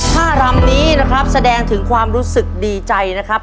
ถ้าทำนี้แสดงถึงความรู้สึกดีใจนะครับ